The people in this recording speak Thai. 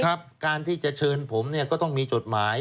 ครับการที่จะเชิญผมก็ต้องมีจดหมาย